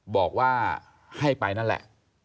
บอกว่าให้ไปนั่นแหละ